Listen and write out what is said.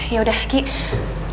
ya udah kiki